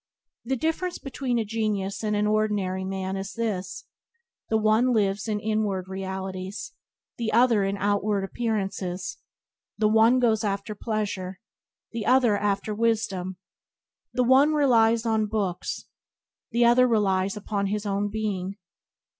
The difference between a genius and an ordinary man is this — the one lives in inward realities, the other in outward appearances; the one goes after pleasure, the other after wisdom; the one relies on books, the other relies upon his own being.